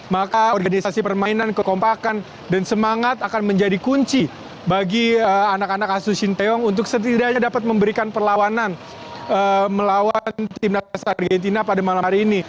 maka organisasi permainan kekompakan dan semangat akan menjadi kunci bagi anak anak asus shin taeyong untuk setidaknya dapat memberikan perlawanan melawan timnas argentina pada malam hari ini